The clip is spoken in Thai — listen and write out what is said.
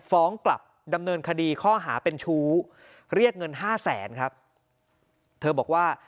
ฟ้องกลับดำเนินคดีข้อหาเป็นชู้เรียกเงินห้าแสนครับเธอบอกว่า